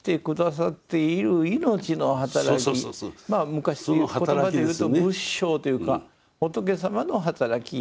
昔の言葉で言うと仏性というか仏様の働き。